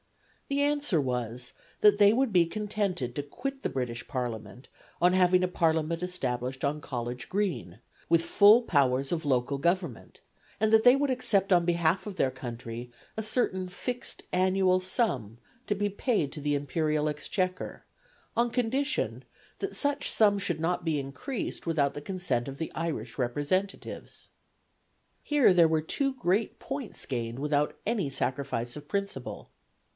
The answer was, that they would be contented to quit the British Parliament on having a Parliament established on College Green, with full powers of local government, and that they would accept on behalf of their country a certain fixed annual sum to be paid to the Imperial Exchequer, on condition that such sum should not be increased without the consent of the Irish representatives. Here there were two great points gained without any sacrifice of principle.